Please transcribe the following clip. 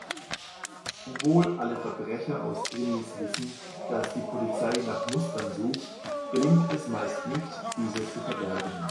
Obwohl alle Verbrecher aus Krimis wissen, dass die Polizei nach Mustern sucht, gelingt es meist nicht, diese zu verbergen.